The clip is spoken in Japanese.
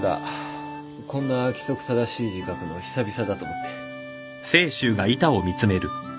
こんな規則正しい字書くの久々だと思って。